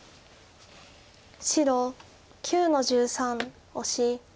白９の十三オシ。